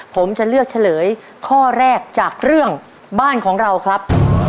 ผมจะเลือกเฉลยข้อแรกจากเรื่องบ้านของเราครับ